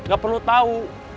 gak perlu tahu